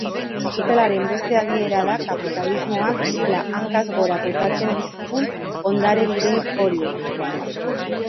Kapitalaren beste adiera da kapitalismoak nola hankaz gora botatzen dizkigun ondare diren horiek.